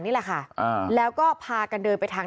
เมื่อวานแบงค์อยู่ไหนเมื่อวาน